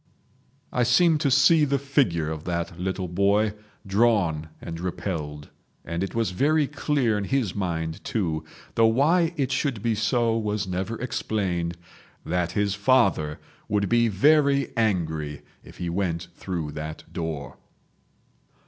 I seem to see the figure of that little boy, drawn and repelled. And it was very clear in his mind, too, though why it should be so was never explained, that his father would be very angry if he went through that door.